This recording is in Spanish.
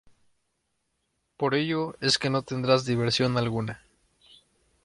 Por ello es que no tendrás diversión alguna.